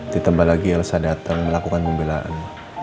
ditambah lagi elsa datang melakukan pembelaan